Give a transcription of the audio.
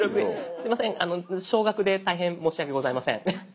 すいません少額で大変申し訳ございません。